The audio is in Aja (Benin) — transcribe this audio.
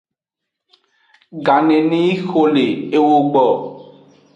Ganeneyi xo le ewo gbo.